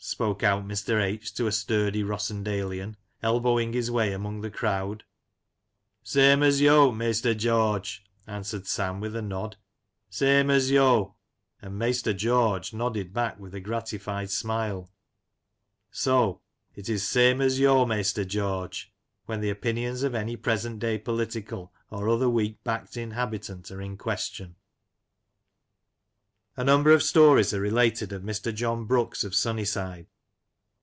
spoke out Mr. H. to a sturdy Rossendalean, elbowing his way among the crowd. " Same as yo', maister George,*' answered Sam with a nod, " Same as yoV* and " maister George " nodded back with a gratified smile. So it is *' same as yo', maister George," when the opinions of any present day political or other weak backed inhabitant are in question. A number of stories are related of Mr. John Brooks of Sunnyside.